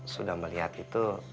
sudah melihat itu